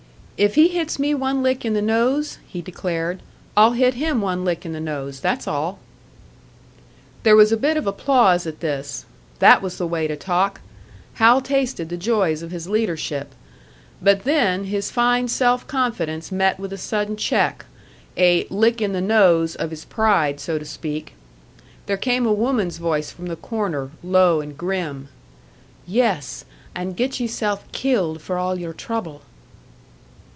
"If he hits me one lick in the nose," he declared, "I'll hit him one lick in the nose, that's all." There was a bit of applause at this. That was the way to talk! Hal tasted the joys of his leadership. But then his fine self confidence met with a sudden check a "lick in the nose" of his pride, so to speak. There came a woman's voice from the corner, low and grim: "Yes! And get ye'self killed for all your trouble!"